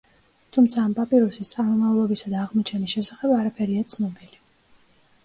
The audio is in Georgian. თუმცა ამ პაპირუსის წარმომავლობისა და აღმოჩენის შესახებ არაფერია ცნობილი.